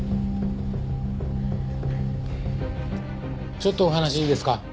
ちょっとお話いいですか？